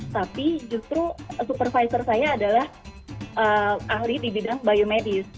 tapi justru supervisor saya adalah ahli di bidang biomedis